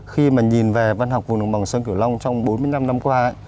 khi mà nhìn về văn học vùng đồng bằng sơn kiểu long trong bốn mươi năm năm qua á